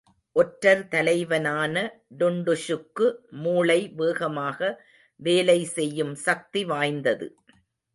ஒற்றர் தலைவனான டுன்டுஷுக்கு மூளை வேகமாக வேலைசெய்யும் சக்தி வாய்ந்தது.